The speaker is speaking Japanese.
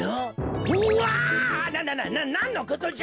うわななななんのことじゃ！？